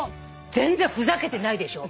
全然ふざけてないでしょ？